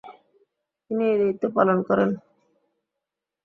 তিনি এই দায়িত্ব পালন করেন।